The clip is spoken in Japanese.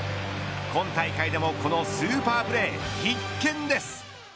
今大会でも、このスーパープレー必見です。